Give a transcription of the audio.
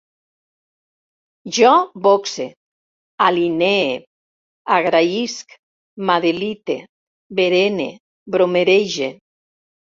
Jo boxe, alinee, agraïsc, m'adelite, berene, bromerege